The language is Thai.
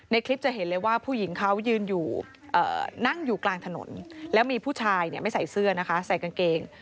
คลิปจะเห็นเลยว่าผู้หญิงเขายืนอยู่นั่งอยู่กลางถนนแล้วมีผู้ชายไม่ใส่เสื้อนะคะใส่กางเกง